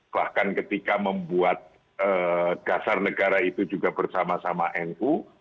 bahkan ketika membuat dasar negara itu juga bersama sama nu